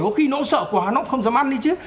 có khi nó sợ quá nó cũng không dám ăn đi chứ